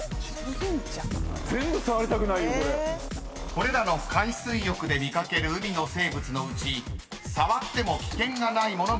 ［これらの海水浴で見掛ける海の生物のうち触っても危険がない物がアウト］